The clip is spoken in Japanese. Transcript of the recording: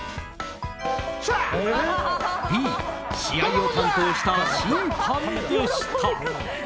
Ｂ、試合を担当した審判でした。